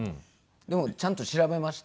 でもちゃんと調べました。